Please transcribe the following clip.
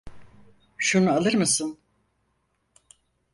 Şunu alır mısın?